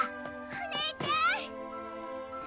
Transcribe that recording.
お姉ちゃん！